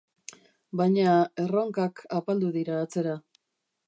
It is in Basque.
Baina, herronkak apaldu dira atzera.